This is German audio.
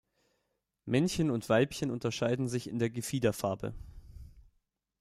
Männchen und Weibchen unterscheiden sich in der Gefiederfarbe.